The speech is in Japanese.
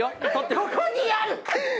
ここにある！